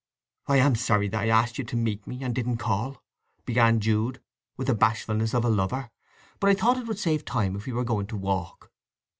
"I am sorry that I asked you to meet me, and didn't call," began Jude with the bashfulness of a lover. "But I thought it would save time if we were going to walk."